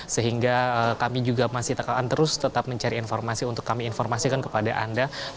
sehingga kami juga masih akan terus tetap mencari informasi untuk kami informasikan kepada anda